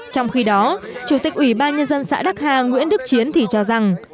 trong khi đó chủ tịch ủy ban nhân dân xã đắc hà nguyễn đức chiến thì cho rằng